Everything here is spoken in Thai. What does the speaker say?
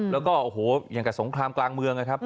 และกับสงครามกลางเมืองนะครับ